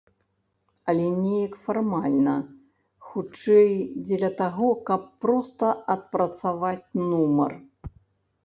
Але неяк фармальна, хутчэй, дзеля таго, каб проста адпрацаваць нумар.